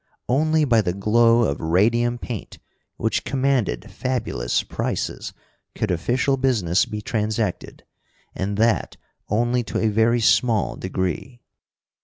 Only by the glow of radium paint, which commanded fabulous prices, could official business be transacted, and that only to a very small degree.